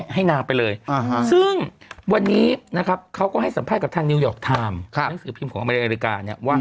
หนังสือพิมพ์ของอเมริกาเนี่ยว่า